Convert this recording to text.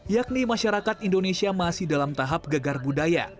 yakni masyarakat indonesia masih dalam tahap gegar budaya